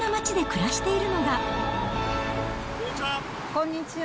こんにちは。